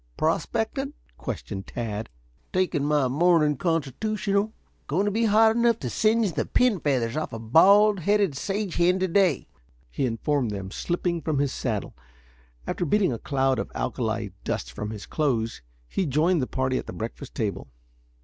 "Prospecting?" questioned Tad. "Taking my morning constitutional. Going to be hot enough to singe the pin feathers off a bald headed sage hen to day," he informed them, slipping from his saddle. After beating a cloud of alkali dust from his clothes he joined the party at the breakfast table.